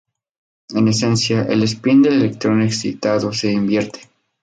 En esencia, el espín del electrón excitado se invierte.